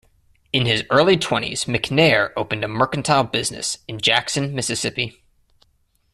In his early twenties McNair opened a mercantile business in Jackson, Mississippi.